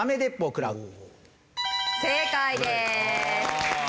正解です。